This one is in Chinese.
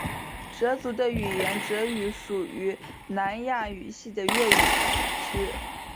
哲族的语言哲语属于南亚语系的越语支。